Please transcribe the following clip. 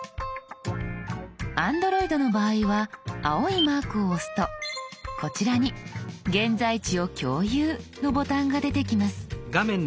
Ａｎｄｒｏｉｄの場合は青いマークを押すとこちらに「現在地を共有」のボタンが出てきます。